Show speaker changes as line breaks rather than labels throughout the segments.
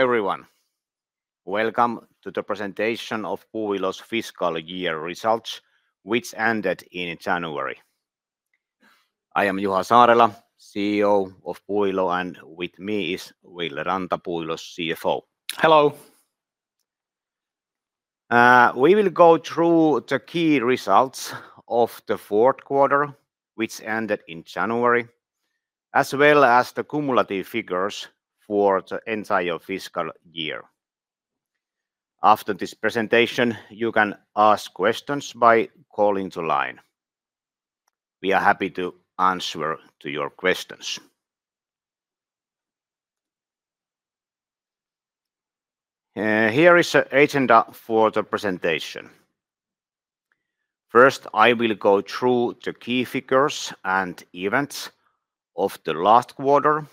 Hello everyone. Welcome to the presentation of Puuilo's fiscal year results, which ended in January. I am Juha Saarela, CEO of Puuilo, and with me is Ville Ranta, Puuilo's CFO.
Hello.
We will go through the key results of the fourth quarter, which ended in January, as well as the cumulative figures for the entire fiscal year. After this presentation, you can ask questions by calling the line. We are happy to answer your questions. Here is the agenda for the presentation. First, I will go through the key figures and events of the last quarter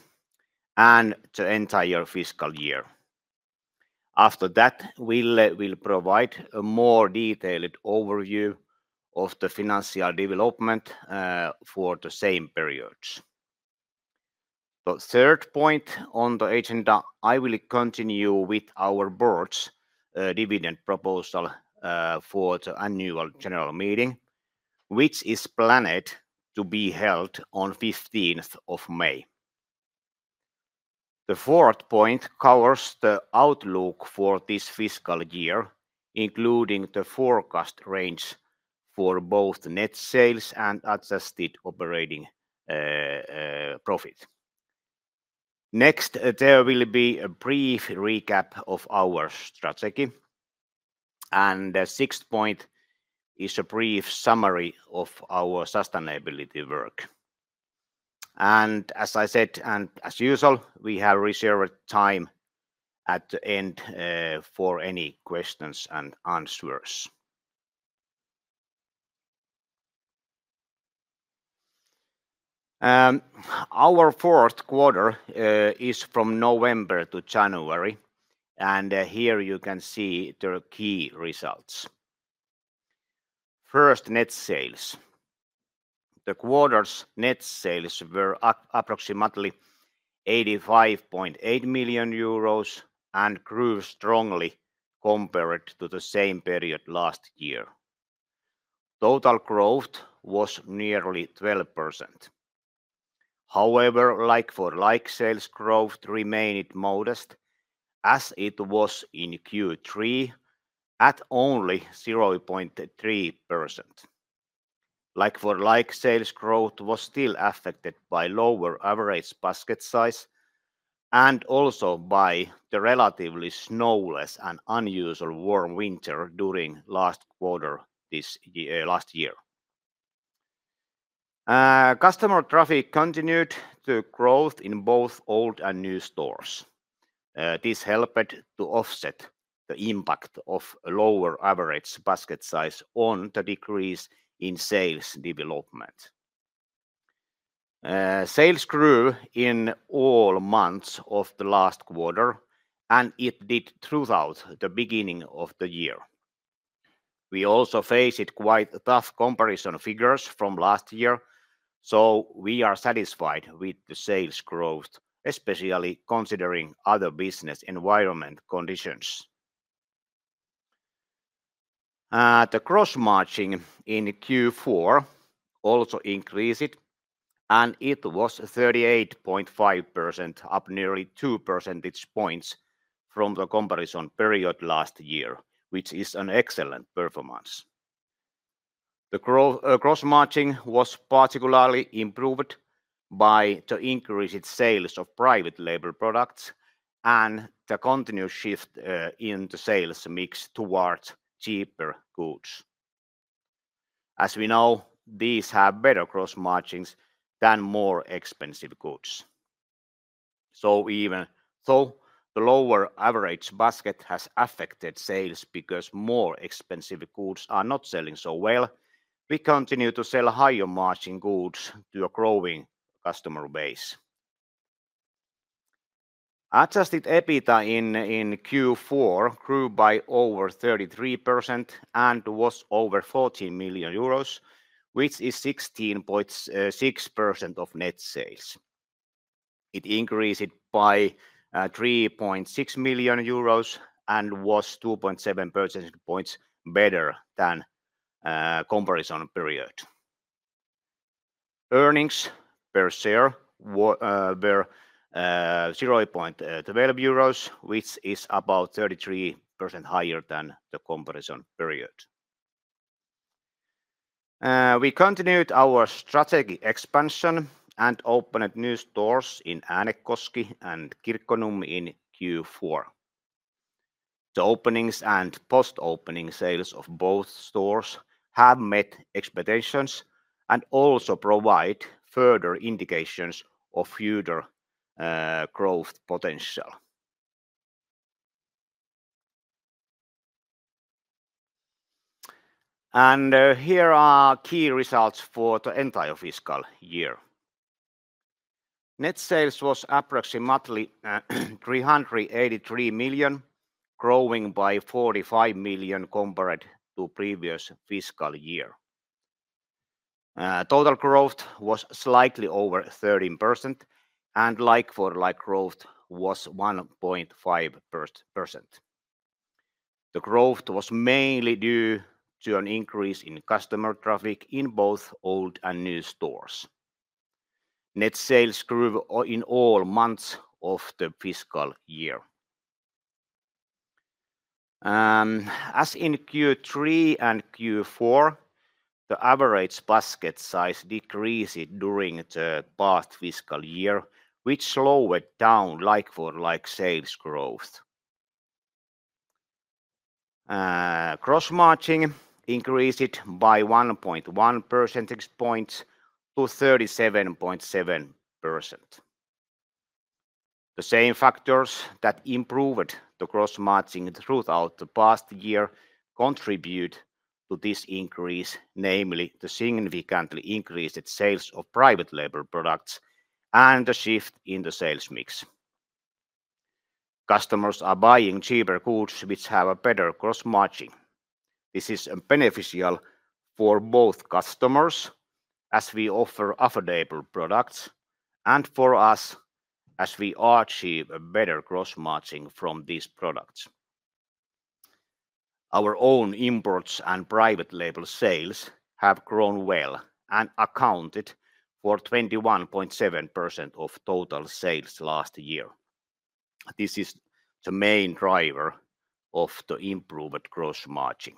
and the entire fiscal year. After that, Ville will provide a more detailed overview of the financial development for the same periods. The third point on the agenda, I will continue with our board's dividend proposal for the annual general meeting, which is planned to be held on 15th of May. The fourth point covers the outlook for this fiscal year, including the forecast range for both net sales and adjusted operating profit. Next, there will be a brief recap of our strategy. The sixth point is a brief summary of our sustainability work. As I said, and as usual, we have reserved time at the end for any questions and answers. Our fourth quarter is from November to January, and here you can see the key results. First, net sales. The quarter's net sales were approximately 85.8 million euros and grew strongly compared to the same period last year. Total growth was nearly 12%. However, like-for-like sales growth remained modest, as it was in Q3, at only 0.3%. Like-for-like sales growth was still affected by lower average basket size and also by the relatively snowless and unusually warm winter during the last quarter last year. Customer traffic continued to grow in both old and new stores. This helped to offset the impact of lower average basket size on the decrease in sales development. Sales grew in all months of the last quarter, and it did throughout the beginning of the year. We also faced quite tough comparison figures from last year, so we are satisfied with the sales growth, especially considering other business environment conditions. The gross margin in Q4 also increased, and it was 38.5%, up nearly 2 percentage points from the comparison period last year, which is an excellent performance. The gross margin was particularly improved by the increased sales of private label products and the continuous shift in the sales mix towards cheaper goods. As we know, these have better gross margins than more expensive goods. Even though the lower average basket has affected sales because more expensive goods are not selling so well, we continue to sell higher-margin goods to a growing customer base. Adjusted EBITDA in Q4 grew by over 33% and was over 14 million euros, which is 16.6% of net sales. It increased by 3.6 million euros and was 2.7 percentage points better than the comparison period. Earnings per share were 0.12 euros, which is about 33% higher than the comparison period. We continued our strategic expansion and opened new stores in Äänekoski and Kirkkonummi in Q4. The openings and post-opening sales of both stores have met expectations and also provide further indications of future growth potential. Here are key results for the entire fiscal year. Net sales was approximately 383 million, growing by 45 million compared to the previous fiscal year. Total growth was slightly over 13%, and like-for-like growth was 1.5%. The growth was mainly due to an increase in customer traffic in both old and new stores. Net sales grew in all months of the fiscal year. As in Q3 and Q4, the average basket size decreased during the past fiscal year, which slowed down like-for-like sales growth. Gross margin increased by 1.1 percentage points to 37.7%. The same factors that improved the gross margin throughout the past year contribute to this increase, namely the significantly increased sales of private label products and the shift in the sales mix. Customers are buying cheaper goods which have a better gross margin. This is beneficial for both customers, as we offer affordable products, and for us, as we achieve a better gross margin from these products. Our own imports and private label sales have grown well and accounted for 21.7% of total sales last year. This is the main driver of the improved gross margin.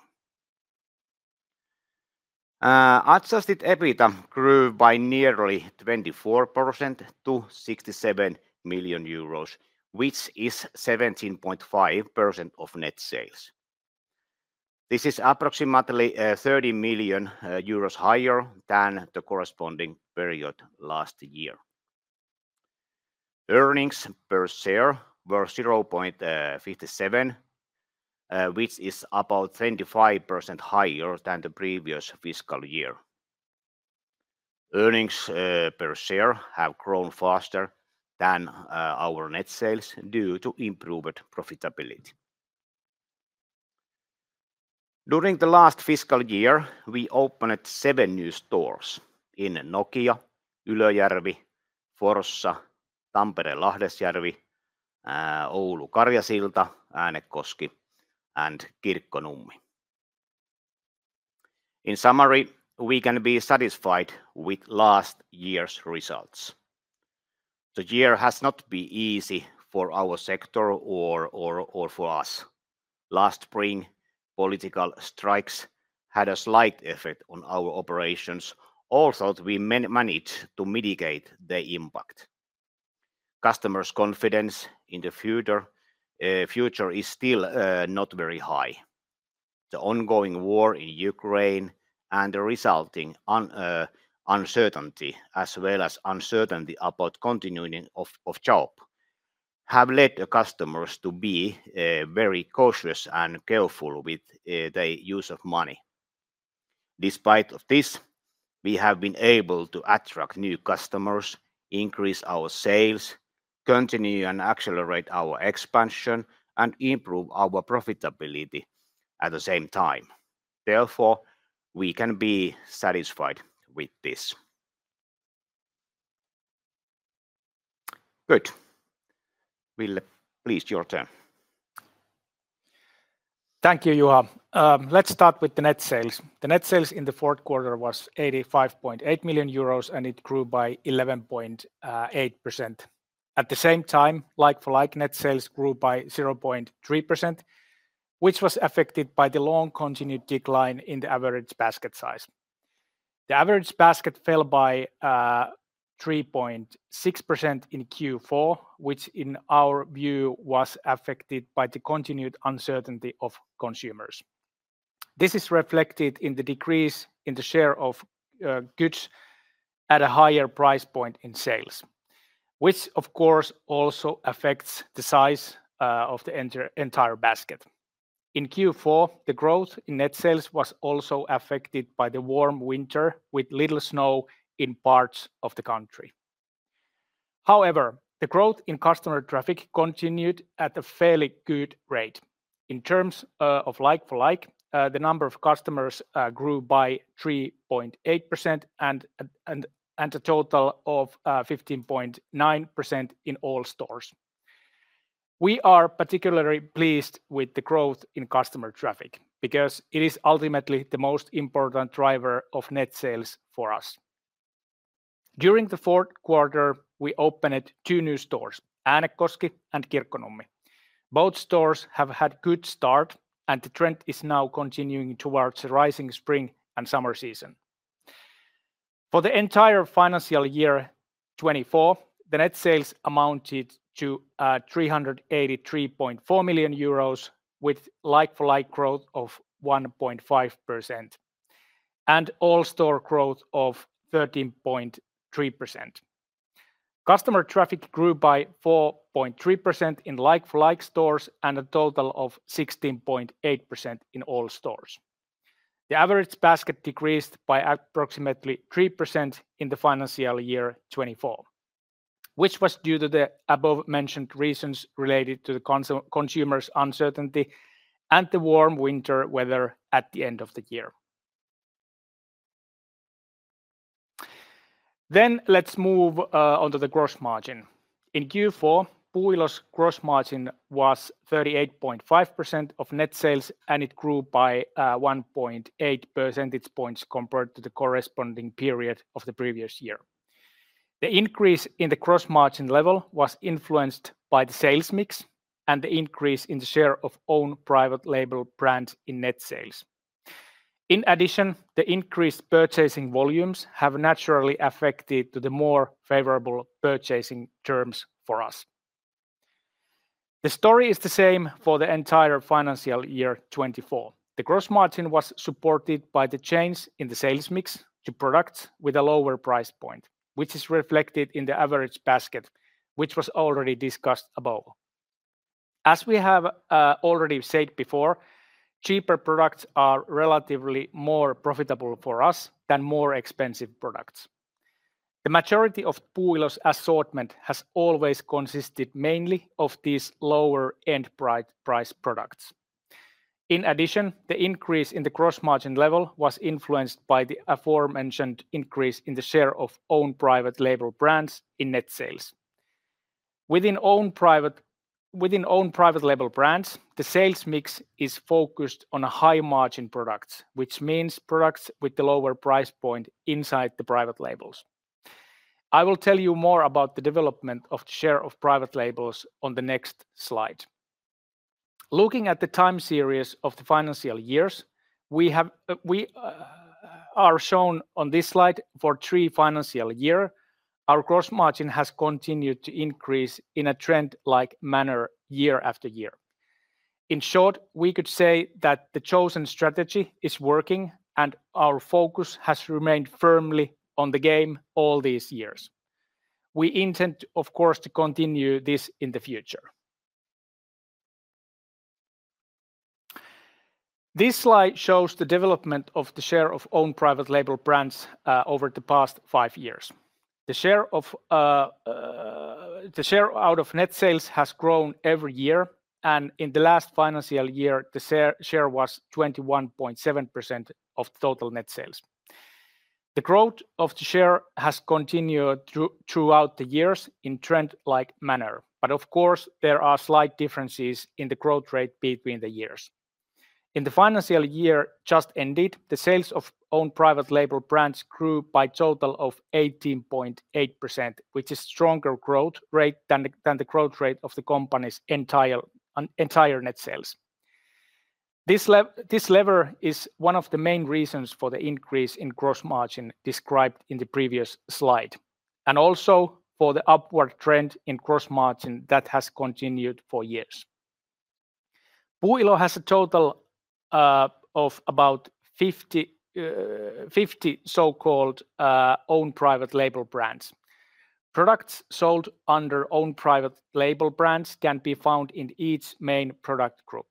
Adjusted EBITDA grew by nearly 24% to 67 million euros, which is 17.5% of net sales. This is approximately 30 million euros higher than the corresponding period last year. Earnings per share were 0.57, which is about 25% higher than the previous fiscal year. Earnings per share have grown faster than our net sales due to improved profitability. During the last fiscal year, we opened seven new stores in Nokia, Ylöjärvi, Forssa, Tampere-Lahdesjärvi, Oulu-Karjasilta, Äänekoski, and Kirkkonummi. In summary, we can be satisfied with last year's results. The year has not been easy for our sector or for us. Last spring, political strikes had a slight effect on our operations, although we managed to mitigate the impact. Customers' confidence in the future is still not very high. The ongoing war in Ukraine and the resulting uncertainty, as well as uncertainty about continuing of job, have led customers to be very cautious and careful with the use of money. Despite this, we have been able to attract new customers, increase our sales, continue and accelerate our expansion, and improve our profitability at the same time. Therefore, we can be satisfied with this. Good. Ville, please your turn.
Thank you, Juha. Let's start with the net sales. The net sales in the fourth quarter was 85.8 million euros, and it grew by 11.8%. At the same time, like-for-like net sales grew by 0.3%, which was affected by the long continued decline in the average basket size. The average basket fell by 3.6% in Q4, which in our view was affected by the continued uncertainty of consumers. This is reflected in the decrease in the share of goods at a higher price point in sales, which of course also affects the size of the entire basket. In Q4, the growth in net sales was also affected by the warm winter with little snow in parts of the country. However, the growth in customer traffic continued at a fairly good rate. In terms of like-for-like, the number of customers grew by 3.8% and a total of 15.9% in all stores. We are particularly pleased with the growth in customer traffic because it is ultimately the most important driver of net sales for us. During the fourth quarter, we opened two new stores, Äänekoski and Kirkkonummi. Both stores have had a good start, and the trend is now continuing towards the rising spring and summer season. For the entire financial year 2024, the net sales amounted to 383.4 million euros, with like-for-like growth of 1.5% and all-store growth of 13.3%. Customer traffic grew by 4.3% in like-for-like stores and a total of 16.8% in all stores. The average basket decreased by approximately 3% in the financial year 2024, which was due to the above-mentioned reasons related to the consumers' uncertainty and the warm winter weather at the end of the year. Let's move on to the gross margin. In Q4, Puuilo's gross margin was 38.5% of net sales, and it grew by 1.8 percentage points compared to the corresponding period of the previous year. The increase in the gross margin level was influenced by the sales mix and the increase in the share of own private label brands in net sales. In addition, the increased purchasing volumes have naturally affected the more favorable purchasing terms for us. The story is the same for the entire financial year 2024. The gross margin was supported by the change in the sales mix to products with a lower price point, which is reflected in the average basket, which was already discussed above. As we have already said before, cheaper products are relatively more profitable for us than more expensive products. The majority of Puuilo's assortment has always consisted mainly of these lower-end price products. In addition, the increase in the gross margin level was influenced by the aforementioned increase in the share of own private label brands in net sales. Within own private label brands, the sales mix is focused on high-margin products, which means products with the lower price point inside the private labels. I will tell you more about the development of the share of private labels on the next slide. Looking at the time series of the financial years, we are shown on this slide for three financial years, our gross margin has continued to increase in a trend-like manner year after year. In short, we could say that the chosen strategy is working, and our focus has remained firmly on the game all these years. We intend, of course, to continue this in the future. This slide shows the development of the share of own private label brands over the past five years. The share out of net sales has grown every year, and in the last financial year, the share was 21.7% of total net sales. The growth of the share has continued throughout the years in a trend-like manner, but of course, there are slight differences in the growth rate between the years. In the financial year just ended, the sales of own private label brands grew by a total of 18.8%, which is a stronger growth rate than the growth rate of the company's entire net sales. This lever is one of the main reasons for the increase in gross margin described in the previous slide, and also for the upward trend in gross margin that has continued for years. Puuilo has a total of about 50 so-called own private label brands. Products sold under own private label brands can be found in each main product group.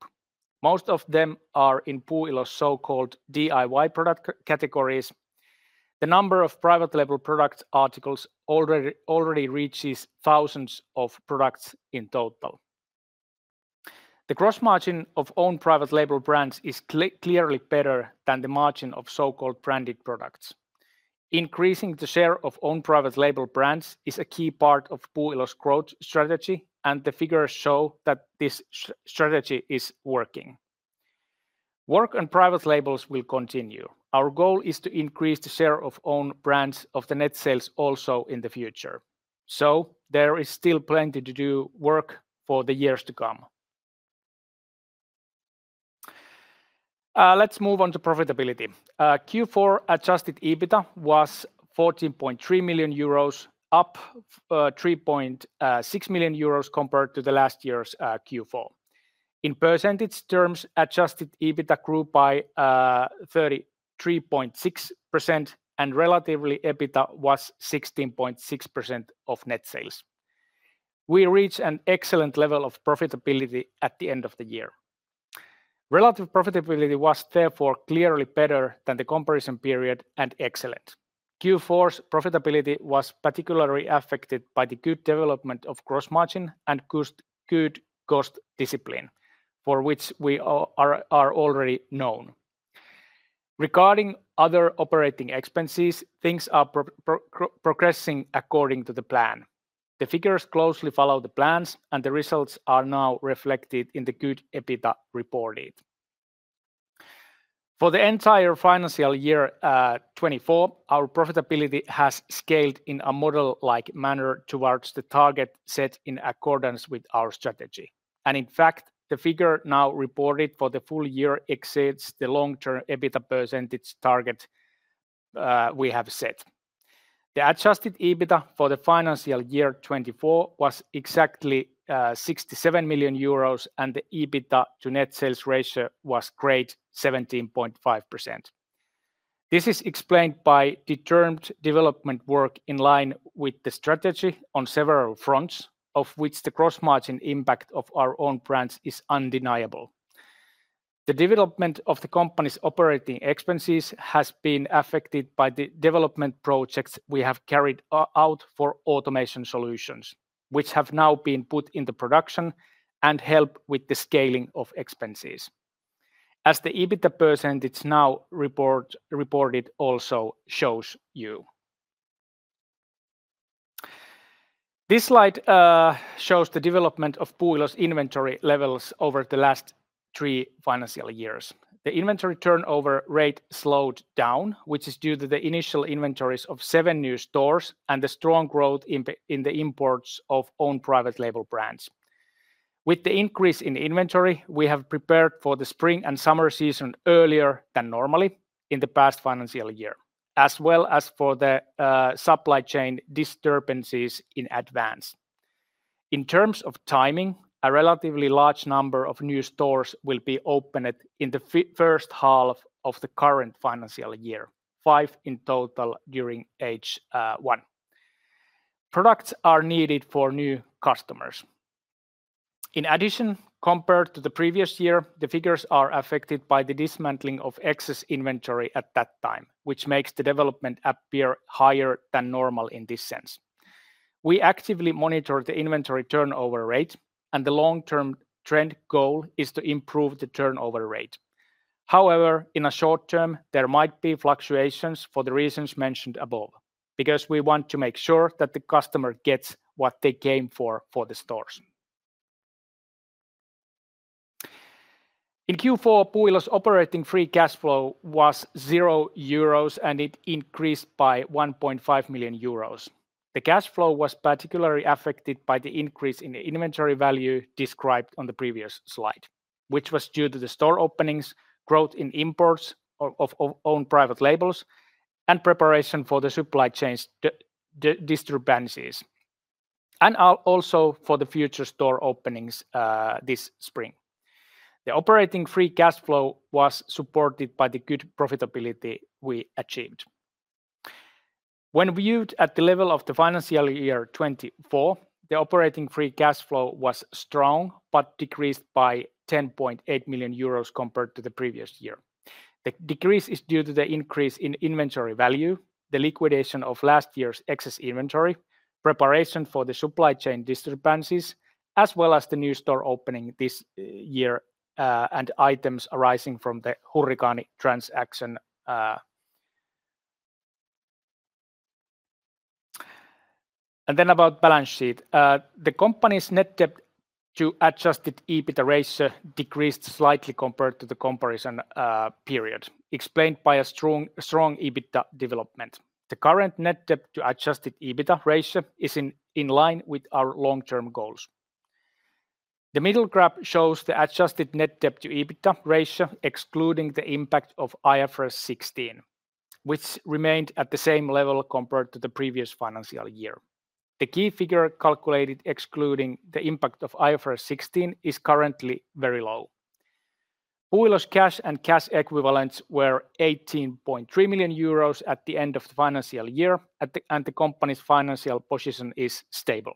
Most of them are in Puuilo's so-called DIY product categories. The number of private label product articles already reaches thousands of products in total. The gross margin of own private label brands is clearly better than the margin of so-called branded products. Increasing the share of own private label brands is a key part of Puuilo's growth strategy, and the figures show that this strategy is working. Work on private labels will continue. Our goal is to increase the share of own brands of the net sales also in the future. There is still plenty to do work for the years to come. Let's move on to profitability. Q4 adjusted EBITDA was 14.3 million euros, up 3.6 million euros compared to the last year's Q4. In percentage terms, adjusted EBITDA grew by 33.6%, and relatively, EBITDA was 16.6% of net sales. We reached an excellent level of profitability at the end of the year. Relative profitability was therefore clearly better than the comparison period and excellent. Q4's profitability was particularly affected by the good development of gross margin and good cost discipline, for which we are already known. Regarding other operating expenses, things are progressing according to the plan. The figures closely follow the plans, and the results are now reflected in the good EBITDA reported. For the entire financial year 2024, our profitability has scaled in a model-like manner towards the target set in accordance with our strategy. In fact, the figure now reported for the full year exceeds the long-term EBITDA percentage target we have set. The adjusted EBITDA for the financial year 2024 was exactly 67 million euros, and the EBITDA to net sales ratio was great: 17.5%. This is explained by determined development work in line with the strategy on several fronts, of which the gross margin impact of our own brands is undeniable. The development of the company's operating expenses has been affected by the development projects we have carried out for automation solutions, which have now been put into production and help with the scaling of expenses, as the EBITDA percentage now reported also shows you. This slide shows the development of Puuilo's inventory levels over the last three financial years. The inventory turnover rate slowed down, which is due to the initial inventories of seven new stores and the strong growth in the imports of own private label brands. With the increase in inventory, we have prepared for the spring and summer season earlier than normally in the past financial year, as well as for the supply chain disturbances in advance. In terms of timing, a relatively large number of new stores will be opened in the first half of the current financial year, five in total during H1. Products are needed for new customers. In addition, compared to the previous year, the figures are affected by the dismantling of excess inventory at that time, which makes the development appear higher than normal in this sense. We actively monitor the inventory turnover rate, and the long-term trend goal is to improve the turnover rate. However, in the short term, there might be fluctuations for the reasons mentioned above because we want to make sure that the customer gets what they came for, for the stores. In Q4, Puuilo's operating free cash flow was zero euros, and it increased by 1.5 million euros. The cash flow was particularly affected by the increase in the inventory value described on the previous slide, which was due to the store openings, growth in imports of own private labels, and preparation for the supply chain disturbances, and also for the future store openings this spring. The operating free cash flow was supported by the good profitability we achieved. When viewed at the level of the financial year 2024, the operating free cash flow was strong but decreased by 10.8 million euros compared to the previous year. The decrease is due to the increase in inventory value, the liquidation of last year's excess inventory, preparation for the supply chain disturbances, as well as the new store opening this year and items arising from the Hurrikaani transaction. About the balance sheet, the company's net debt to adjusted EBITDA ratio decreased slightly compared to the comparison period, explained by a strong EBITDA development. The current net debt to adjusted EBITDA ratio is in line with our long-term goals. The middle graph shows the adjusted net debt to EBITDA ratio, excluding the impact of IFRS 16, which remained at the same level compared to the previous financial year. The key figure calculated excluding the impact of IFRS 16 is currently very low. Puuilo's cash and cash equivalents were 18.3 million euros at the end of the financial year, and the company's financial position is stable.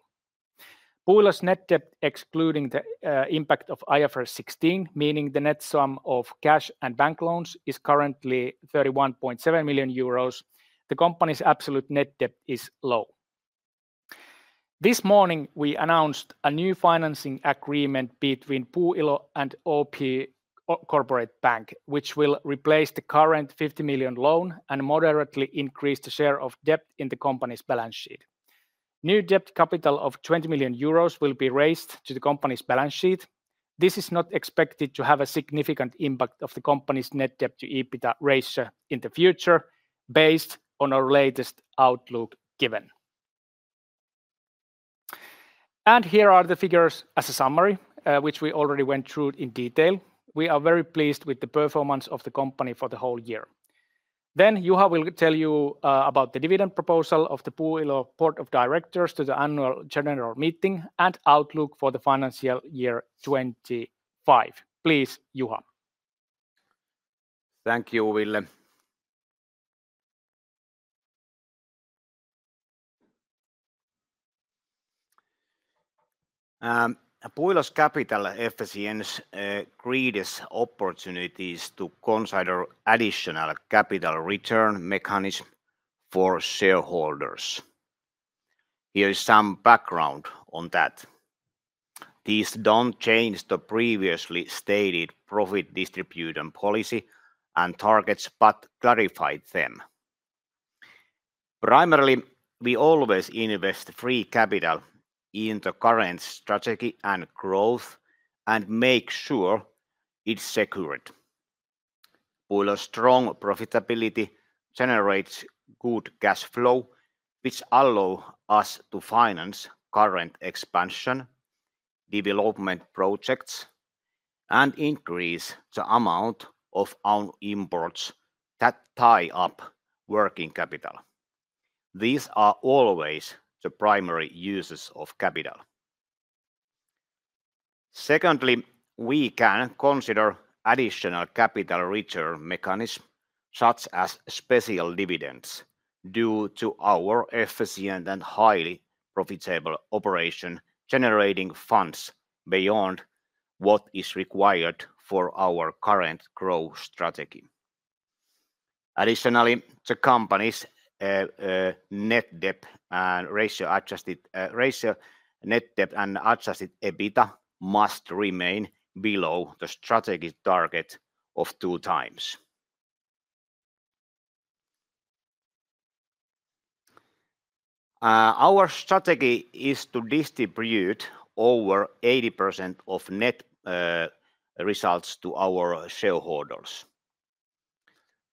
Puuilo's net debt, excluding the impact of IFRS 16, meaning the net sum of cash and bank loans, is currently 31.7 million euros. The company's absolute net debt is low. This morning, we announced a new financing agreement between Puuilo and OP Corporate Bank, which will replace the current 50 million loan and moderately increase the share of debt in the company's balance sheet. New debt capital of 20 million euros will be raised to the company's balance sheet. This is not expected to have a significant impact on the company's net debt to EBITDA ratio in the future, based on our latest outlook given. Here are the figures as a summary, which we already went through in detail. We are very pleased with the performance of the company for the whole year. Juha will tell you about the dividend proposal of the Puuilo Board of Directors to the annual general meeting and outlook for the financial year 2025. Please, Juha.
Thank you, Ville. Puuilo's capital efficiency creates opportunities to consider additional capital return mechanisms for shareholders. Here is some background on that. These do not change the previously stated profit distribution policy and targets but clarify them. Primarily, we always invest free capital in the current strategy and growth and make sure it is secured. Puuilo's strong profitability generates good cash flow, which allows us to finance current expansion, development projects, and increase the amount of our imports that tie up working capital. These are always the primary uses of capital. Secondly, we can consider additional capital return mechanisms, such as special dividends, due to our efficient and highly profitable operation, generating funds beyond what is required for our current growth strategy. Additionally, the company's net debt and adjusted net debt and adjusted EBITDA must remain below the strategy target of two times. Our strategy is to distribute over 80% of net results to our shareholders.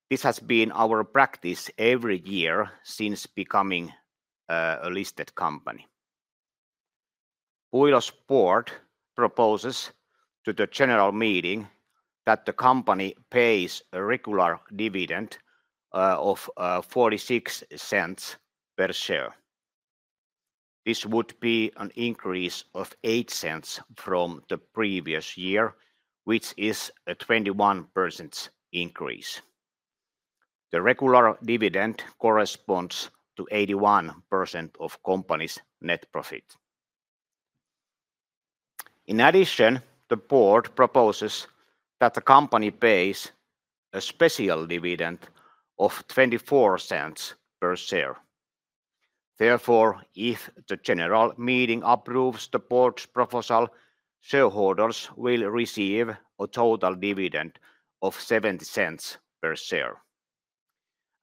This has been our practice every year since becoming a listed company. Puuilo's board proposes to the general meeting that the company pays a regular dividend of 0.46 per share. This would be an increase of 0.08 from the previous year, which is a 21% increase. The regular dividend corresponds to 81% of the company's net profit. In addition, the board proposes that the company pays a special dividend of 0.24 per share. Therefore, if the general meeting approves the board's proposal, shareholders will receive a total dividend of 0.70 per share.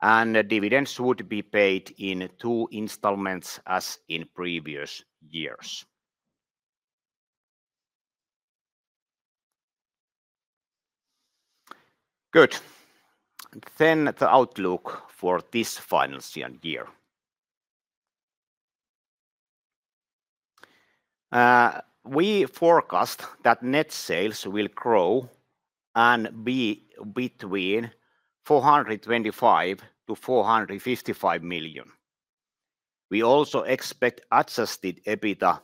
Dividends would be paid in two installments as in previous years. Good. The outlook for this financial year. We forecast that net sales will grow and be between 425 million-455 million. We also expect adjusted EBITDA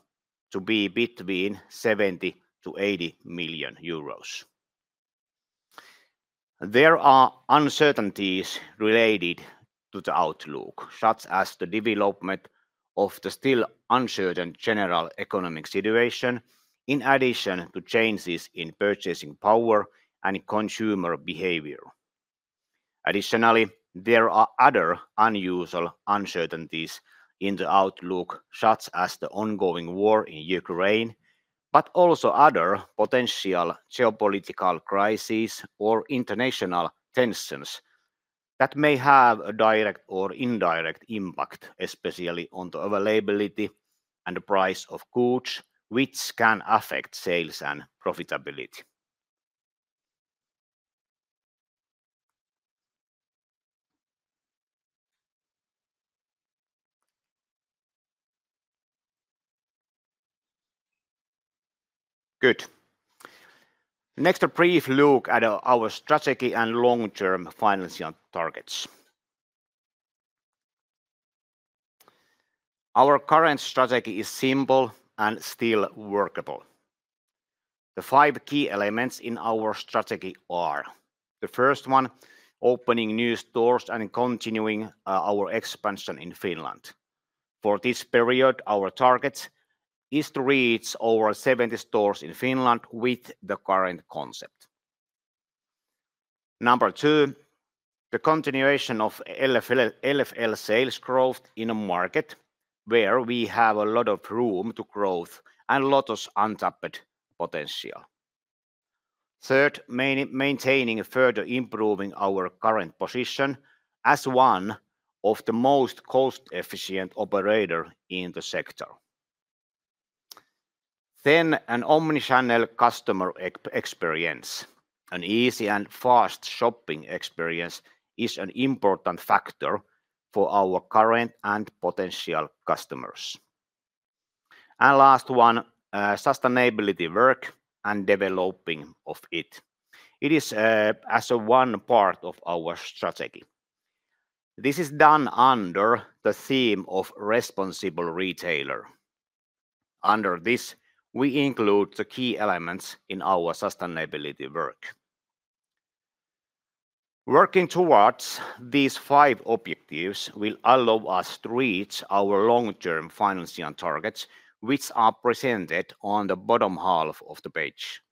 to be between 70-80 million euros. There are uncertainties related to the outlook, such as the development of the still uncertain general economic situation, in addition to changes in purchasing power and consumer behavior. Additionally, there are other unusual uncertainties in the outlook, such as the ongoing war in Ukraine, but also other potential geopolitical crises or international tensions that may have a direct or indirect impact, especially on the availability and the price of goods, which can affect sales and profitability. Good. Next, a brief look at our strategy and long-term financial targets. Our current strategy is simple and still workable. The five key elements in our strategy are the first one, opening new stores and continuing our expansion in Finland. For this period, our target is to reach over 70 stores in Finland with the current concept. Number two, the continuation of LFL sales growth in a market where we have a lot of room to grow and a lot of untapped potential. Third, maintaining further improving our current position as one of the most cost-efficient operators in the sector. An omnichannel customer experience, an easy and fast shopping experience, is an important factor for our current and potential customers. Last one, sustainability work and developing of it. It is as one part of our strategy. This is done under the theme of responsible retailer. Under this, we include the key elements in our sustainability work. Working towards these five objectives will allow us to reach our long-term financial targets, which are presented on the bottom half of the page.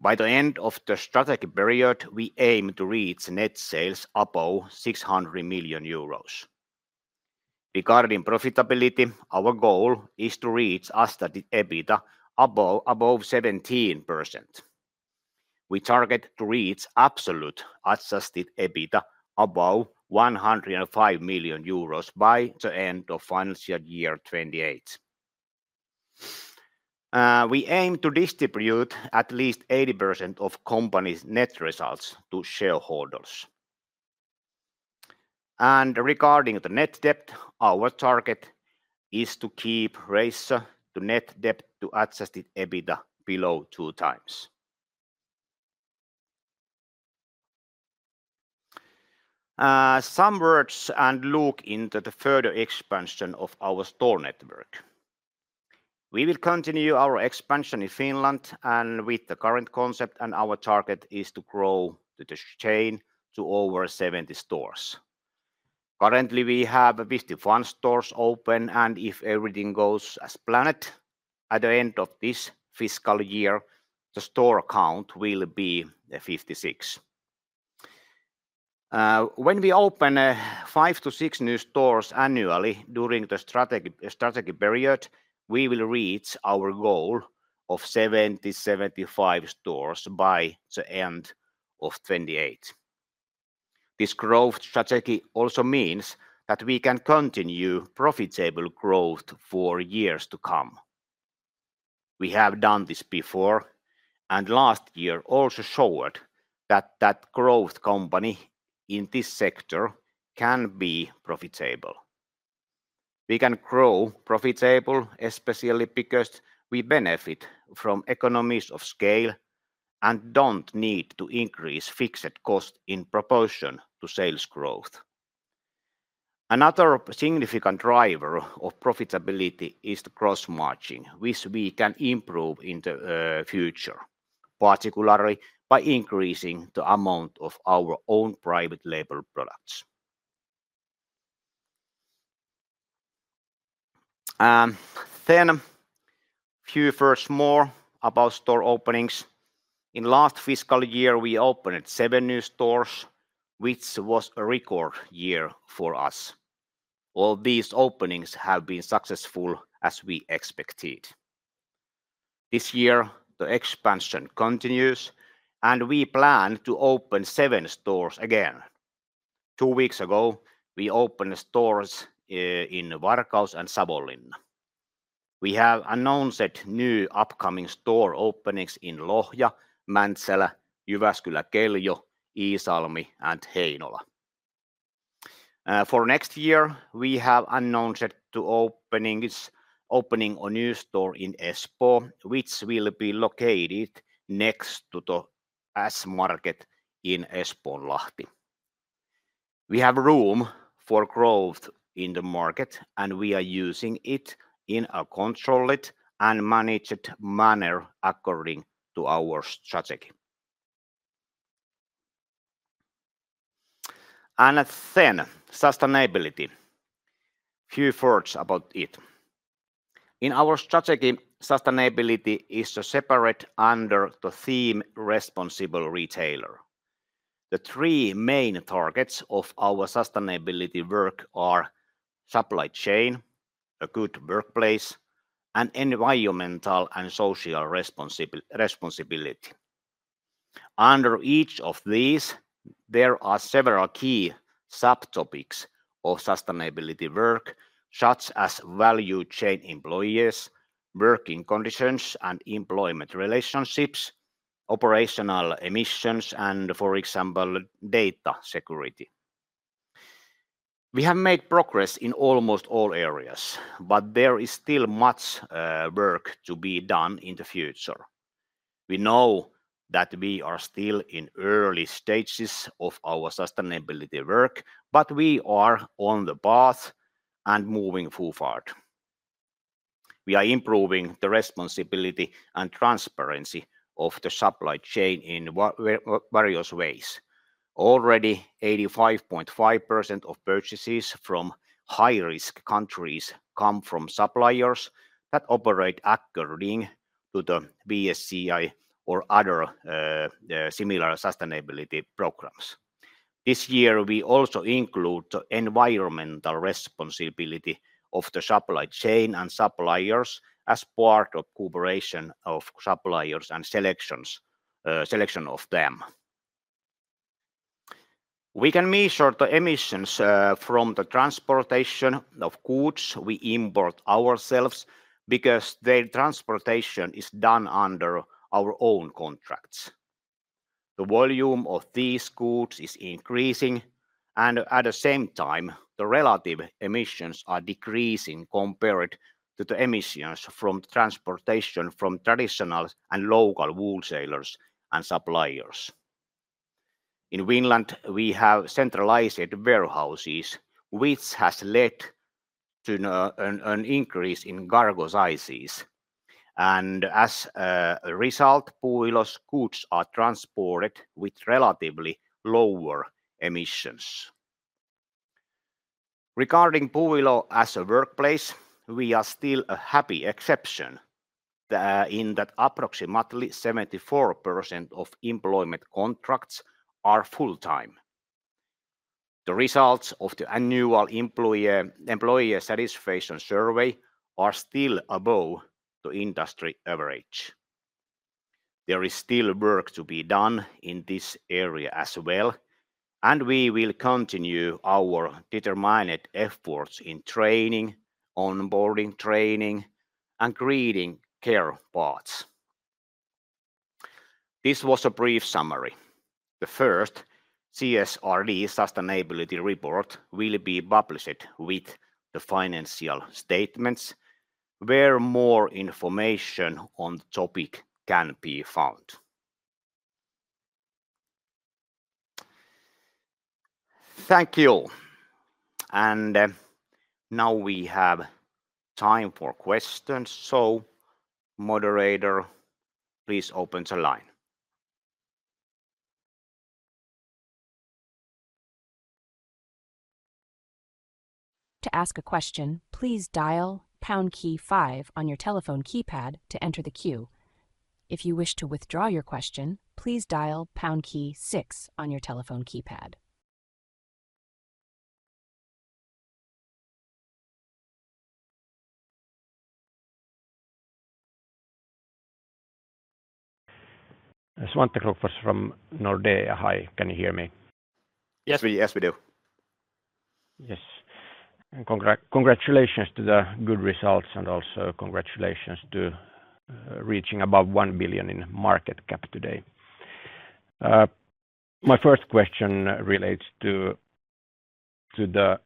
By the end of the strategy period, we aim to reach net sales above 600 million euros. Regarding profitability, our goal is to reach adjusted EBITDA above 17%. We target to reach absolute adjusted EBITDA above 105 million euros by the end of financial year 2028. We aim to distribute at least 80% of the company's net results to shareholders. Regarding the net debt, our target is to keep the ratio to net debt to adjusted EBITDA below two times. Some words and look into the further expansion of our store network. We will continue our expansion in Finland with the current concept, and our target is to grow the chain to over 70 stores. Currently, we have 51 stores open, and if everything goes as planned, at the end of this fiscal year, the store count will be 56. When we open five to six new stores annually during the strategy period, we will reach our goal of 70-75 stores by the end of 2028. This growth strategy also means that we can continue profitable growth for years to come. We have done this before, and last year also showed that that growth company in this sector can be profitable. We can grow profitably, especially because we benefit from economies of scale and do not need to increase fixed costs in proportion to sales growth. Another significant driver of profitability is the gross margin, which we can improve in the future, particularly by increasing the amount of our own private label products. A few words more about store openings. In the last fiscal year, we opened seven new stores, which was a record year for us. All these openings have been successful, as we expected. This year, the expansion continues, and we plan to open seven stores again. Two weeks ago, we opened stores in Varkaus and Savonlinna. We have announced new upcoming store openings in Lohja, Mäntsälä, Jyväskylä, Keljo, Iisalmi, and Heinola. For next year, we have announced the opening of a new store in Espoo, which will be located next to the S-market in Espoonlahti. We have room for growth in the market, and we are using it in a controlled and managed manner according to our strategy. Sustainability. A few words about it. In our strategy, sustainability is separate under the theme responsible retailer. The three main targets of our sustainability work are supply chain, a good workplace, and environmental and social responsibility. Under each of these, there are several key subtopics of sustainability work, such as value chain employees, working conditions and employment relationships, operational emissions, and, for example, data security. We have made progress in almost all areas, but there is still much work to be done in the future. We know that we are still in early stages of our sustainability work, but we are on the path and moving forward. We are improving the responsibility and transparency of the supply chain in various ways. Already, 85.5% of purchases from high-risk countries come from suppliers that operate according to the BSCI or other similar sustainability programs. This year, we also include the environmental responsibility of the supply chain and suppliers as part of the cooperation of suppliers and selection of them. We can measure the emissions from the transportation of goods we import ourselves because their transportation is done under our own contracts. The volume of these goods is increasing, and at the same time, the relative emissions are decreasing compared to the emissions from transportation from traditional and local wholesalers and suppliers. In Finland, we have centralized warehouses, which has led to an increase in cargo sizes. As a result, Puuilo's goods are transported with relatively lower emissions. Regarding Puuilo as a workplace, we are still a happy exception in that approximately 74% of employment contracts are full-time. The results of the annual employee satisfaction survey are still above the industry average. There is still work to be done in this area as well, and we will continue our determined efforts in training, onboarding training, and creating career paths. This was a brief summary. The first CSRD sustainability report will be published with the financial statements, where more information on the topic can be found. Thank you. Now we have time for questions. Moderator, please open the line.
To ask a question, please dial pound key five on your telephone keypad to enter the queue. If you wish to withdraw your question, please dial pound key six on your telephone keypad.
Hi. Can you hear me? Yes, we do. Yes. And congratulations to the good results, and also congratulations to reaching above one billion in market cap today. My first question relates to the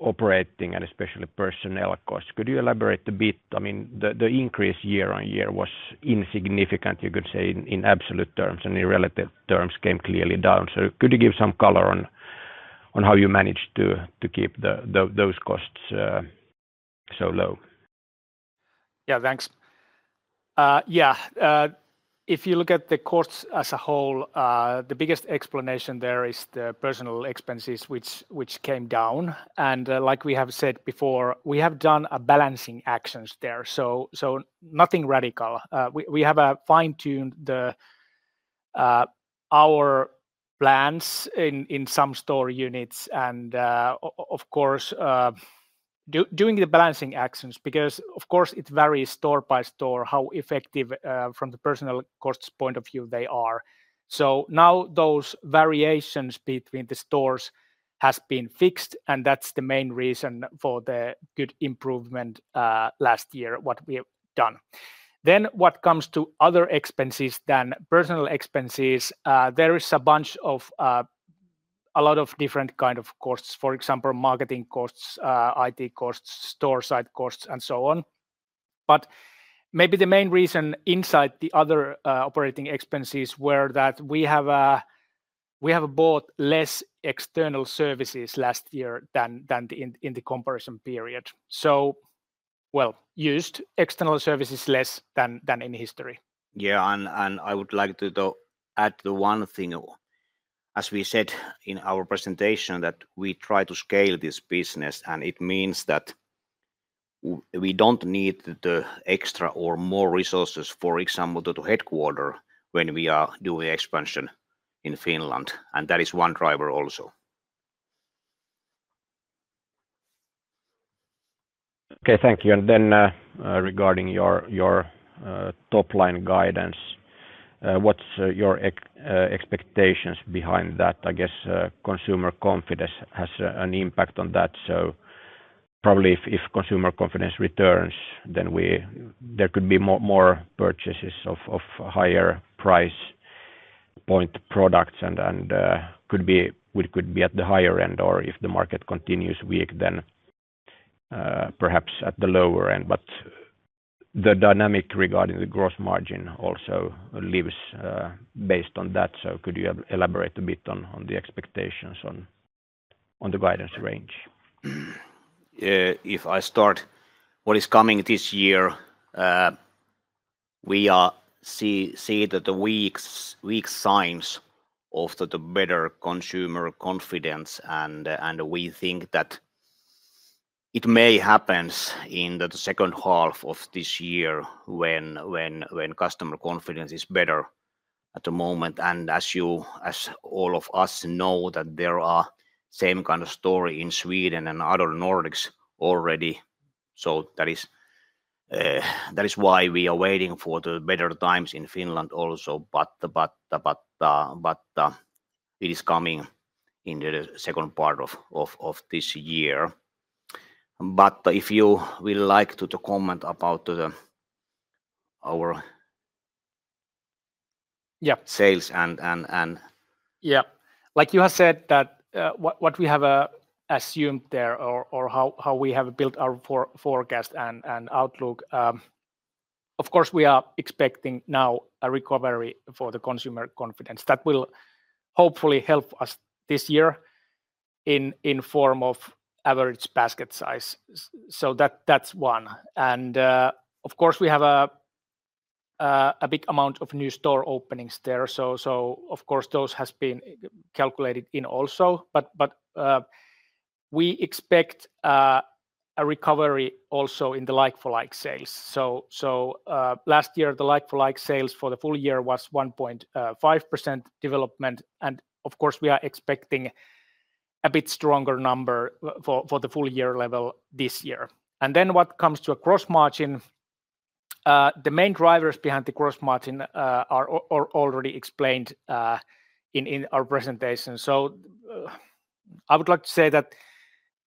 operating, and especially personnel costs. Could you elaborate a bit? I mean, the increase year on year was insignificant, you could say, in absolute terms, and in relative terms came clearly down. Could you give some color on how you managed to keep those costs so low? Yeah, thanks.
Yeah. If you look at the costs as a whole, the biggest explanation there is the personnel expenses, which came down. Like we have said before, we have done balancing actions there. Nothing radical. We have fine-tuned our plans in some store units, and of course, doing the balancing actions, because of course, it varies store by store how effective from the personnel costs point of view they are. Now those variations between the stores have been fixed, and that's the main reason for the good improvement last year, what we have done. What comes to other expenses than personnel expenses, there is a bunch of a lot of different kinds of costs, for example, marketing costs, IT costs, store site costs, and so on. Maybe the main reason inside the other operating expenses was that we have bought less external services last year than in the comparison period. We used external services less than in history.
Yeah, I would like to add one thing. As we said in our presentation, we try to scale this business, and it means that we do not need the extra or more resources, for example, to headquarter when we are doing expansion in Finland. That is one driver also.
Okay, thank you. Regarding your top-line guidance, what are your expectations behind that? I guess consumer confidence has an impact on that. Probably if consumer confidence returns, then there could be more purchases of higher price point products, and we could be at the higher end, or if the market continues weak, then perhaps at the lower end. The dynamic regarding the gross margin also lives based on that. Could you elaborate a bit on the expectations on the guidance range?
If I start what is coming this year, we see the weak signs of the better consumer confidence, and we think that it may happen in the second half of this year when customer confidence is better at the moment. As all of us know, there are the same kind of story in Sweden and other Nordics already. That is why we are waiting for the better times in Finland also, but it is coming in the second part of this year. If you would like to comment about our sales and—Yeah. Like
you have said, what we have assumed there, or how we have built our forecast and outlook, of course, we are expecting now a recovery for the consumer confidence. That will hopefully help us this year in form of average basket size. That's one. Of course, we have a big amount of new store openings there. Of course, those have been calculated in also. We expect a recovery also in the like-for-like sales. Last year, the like-for-like sales for the full year was 1.5% development. Of course, we are expecting a bit stronger number for the full year level this year. What comes to a gross margin, the main drivers behind the gross margin are already explained in our presentation. I would like to say that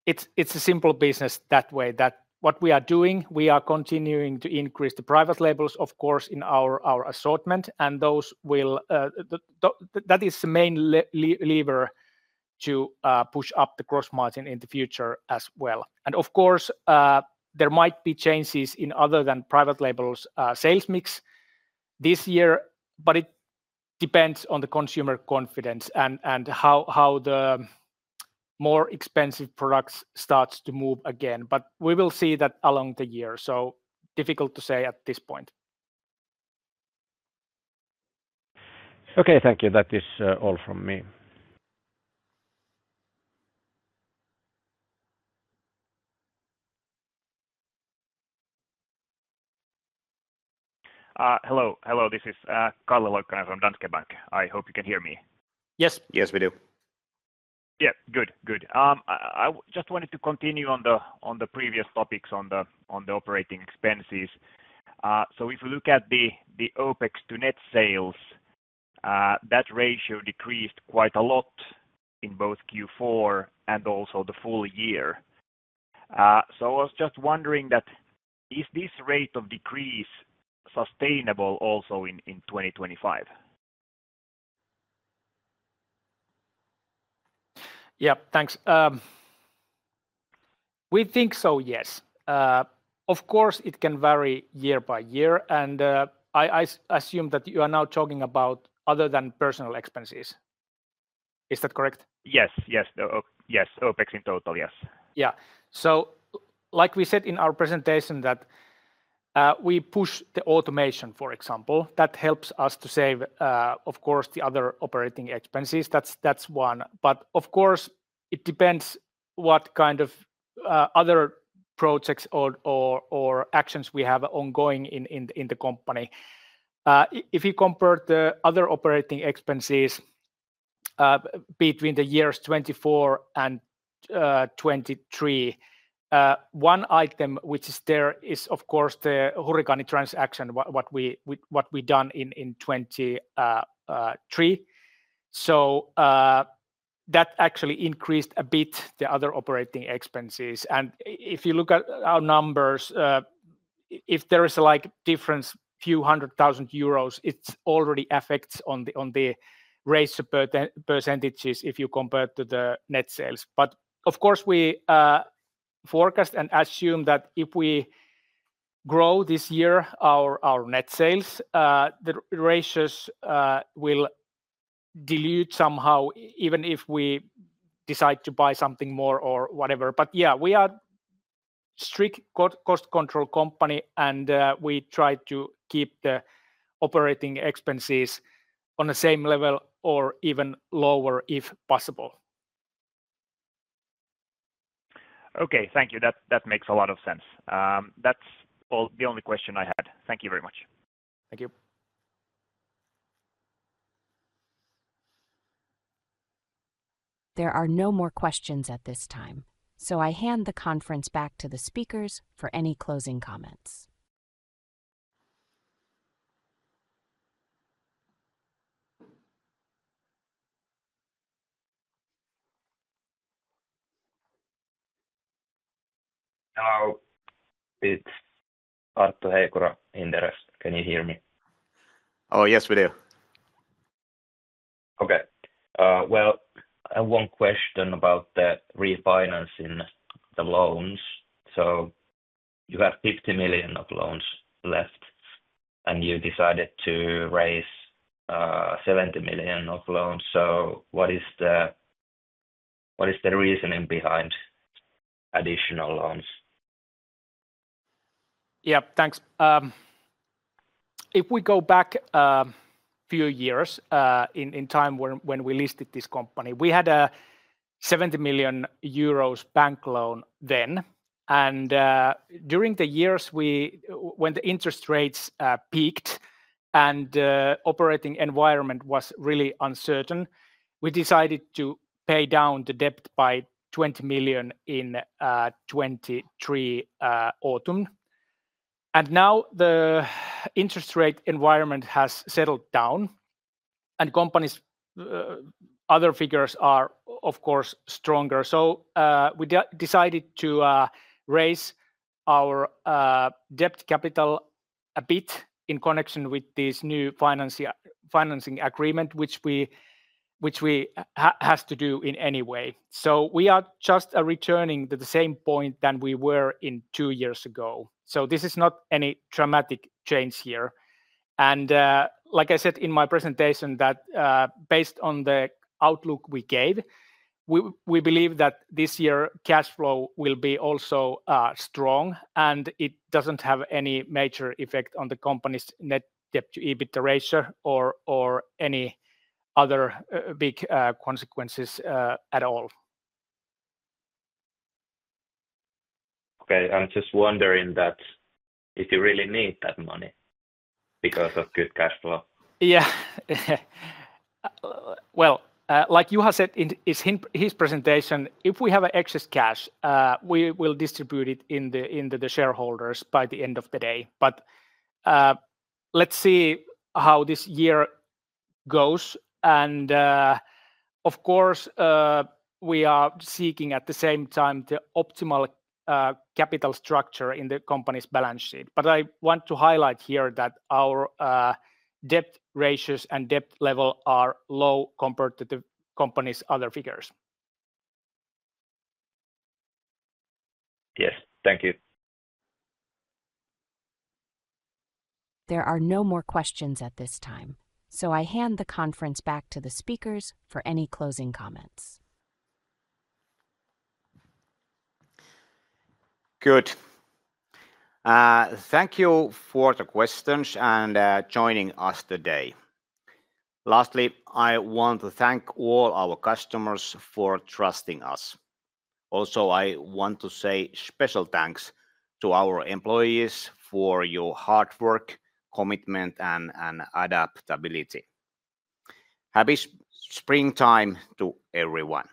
it's a simple business that way, that what we are doing, we are continuing to increase the private labels, of course, in our assortment. That is the main lever to push up the gross margin in the future as well. Of course, there might be changes in other than private label sales mix this year, but it depends on the consumer confidence and how the more expensive products start to move again. We will see that along the year. Difficult to say at this point.
Okay, thank you. That is all from me.
Hello, this is Kalle Loikkanen from Danske Bank. I hope you can hear me.
Yes. Yes, we do.
Yeah, good. I just wanted to continue on the previous topics on the operating expenses. If we look at the OpEx to net sales, that ratio decreased quite a lot in both Q4 and also the full year. I was just wondering that is this rate of decrease sustainable also in 2025?
Yeah, thanks. We think so, yes. Of course, it can vary year by year. I assume that you are now talking about other than personnel expenses. Is that correct?
Yes, yes. Yes, OpEx in total, yes.
Yeah. Like we said in our presentation, we push the automation, for example, that helps us to save, of course, the other operating expenses. That is one. Of course, it depends what kind of other projects or actions we have ongoing in the company. If you compare the other operating expenses between the years 2024 and 2023, one item which is there is, of course, the Hurrikaani transaction, what we have done in 2023. That actually increased a bit the other operating expenses. If you look at our numbers, if there is a difference, a few hundred thousand euro, it already affects the ratio percentages if you compare to the net sales. But of course, we forecast and assume that if we grow this year, our net sales, the ratios will dilute somehow, even if we decide to buy something more or whatever. Yeah, we are a strict cost control company, and we try to keep the operating expenses on the same level or even lower if possible.
Okay, thank you. That makes a lot of sense. That is all the only question I had. Thank you very much.
Thank you.
There are no more questions at this time, so I hand the conference back to the speakers for any closing comments.
Hello. It is Arto Heikura, analyst. Can you hear me?
Oh, yes, we do.
Okay. I have one question about the refinancing the loans. You have 50 million of loans left, and you decided to raise 70 million of loans. What is the reasoning behind additional loans?
Yeah, thanks. If we go back a few years in time when we listed this company, we had a 70 million euros bank loan then. During the years when the interest rates peaked and the operating environment was really uncertain, we decided to pay down the debt by 20 million in 2023 autumn. Now the interest rate environment has settled down, and the company's other figures are of course stronger. We decided to raise our debt capital a bit in connection with this new financing agreement, which we have to do in any way. We are just returning to the same point that we were in two years ago. This is not any dramatic change here. Like I said in my presentation, based on the outlook we gave, we believe that this year cash flow will be also strong, and it does not have any major effect on the company's net debt to EBITDA ratio or any other big consequences at all.
Okay. I'm just wondering if you really need that money because of good cash flow.
Yeah. Like Juha said in his presentation, if we have excess cash, we will distribute it to the shareholders by the end of the day. Let's see how this year goes. Of course, we are seeking at the same time the optimal capital structure in the company's balance sheet. I want to highlight here that our debt ratios and debt level are low compared to the company's other figures.
Yes, thank you.
There are no more questions at this time, so I hand the conference back to the speakers for any closing comments.
Good. Thank you for the questions and joining us today. Lastly, I want to thank all our customers for trusting us. Also, I want to say special thanks to our employees for your hard work, commitment, and adaptability. Happy spring time to everyone.